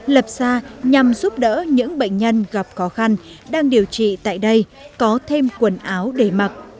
lập xa nhằm giúp đỡ những bệnh nhân gặp khó khăn đang điều trị tại đây có thêm quần áo để mặc